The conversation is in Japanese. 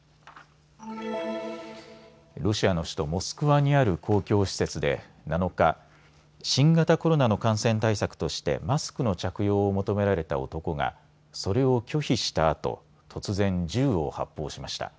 ロシアの首都モスクワにある公共施設で７日、新型コロナの感染対策としてマスクの着用を求められた男がそれを拒否したあと突然、銃を発砲しました。